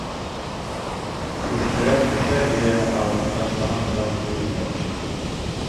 Түшкәләр төшә бирә, ә уны ташлаған зат күренмәй.